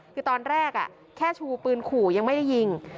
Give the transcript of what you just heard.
คือตอนแรกแค่ชูปืนขู่ยังไม่ได้ยิง